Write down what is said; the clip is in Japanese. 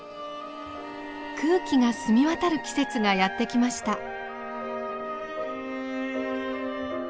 空気が澄み渡る季節がやって来ました。